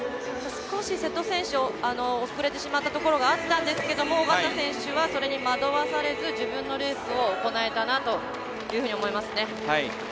少し瀬戸選手遅れてしまったところがあったんですけど小方選手は、それに惑わされず自分のレースを行えたなというふうに思えますね。